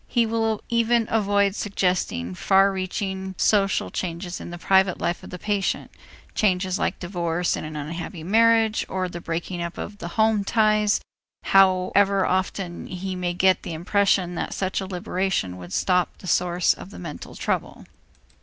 He will even avoid suggesting far reaching social changes in the private life of the patient, changes like divorce in an unhappy marriage or the breaking of the home ties, however often he may get the impression that such a liberation would stop the source of the mental trouble.